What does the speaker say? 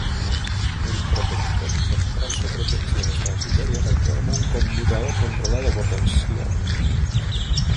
El protector contra sobretensiones transitorias actúa como un conmutador controlado por tensión.